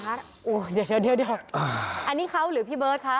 อะไรฮะอู้เดี๋ยวเดี๋ยวอันนี้เขาหรือพี่เบิร์ดคะ